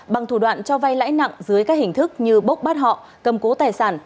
bằng thủ đoạn cho vay lãi nặng dưới các hình thức như bốc bắt họ cầm cố tài sản